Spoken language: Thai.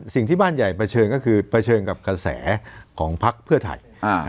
สิ่งที่บ้านใหญ่เผชิญก็คือเผชิญกับกระแสของพักเพื่อไทย